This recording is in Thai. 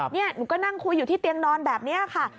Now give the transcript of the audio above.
นี่หนูก็นั่งคุยอยู่ที่เตียงนอนแบบนี้ค่ะ